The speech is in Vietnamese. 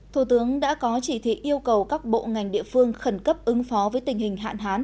thủ tướng đã có chỉ thị yêu cầu các bộ ngành địa phương khẩn cấp ứng phó với tình hình hạn hán